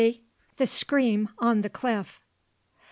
THE SCREAM ON THE CLIFF.